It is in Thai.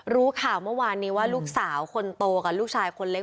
รู้ข่าวเมื่อวานนี้ว่าลูกสาวคนโตกับลูกชายคนเล็ก